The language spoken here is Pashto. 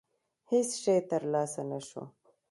هېڅ شی ترلاسه نه شو.